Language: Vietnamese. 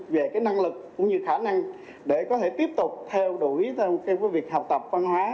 về cái năng lực cũng như khả năng để có thể tiếp tục theo đuổi theo việc học tập văn hóa